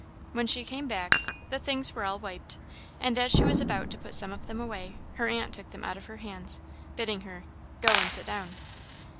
When she came back, the things were all wiped, and as she was about to put some of them away, her aunt took them out of her hands, bidding her "go and sit down!"